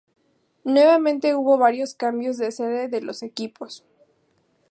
Nuevamente hubo varios cambios de sede de los equipos.